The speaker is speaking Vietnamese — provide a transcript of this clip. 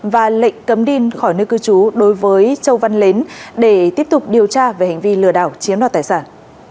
và lệnh cấm đi khỏi nơi cư trú đối với châu văn để tiếp tục điều tra về hành vi lừa đảo chiếm đoạt tài sản